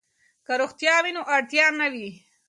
که روغتیا وي نو اړتیا نه وي.